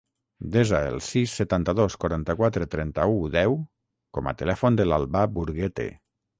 Desa el sis, setanta-dos, quaranta-quatre, trenta-u, deu com a telèfon de l'Albà Burguete.